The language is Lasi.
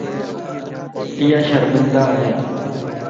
ايا شرمندا ائي.